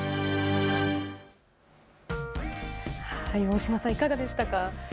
大嶋さん、いかがでしたか。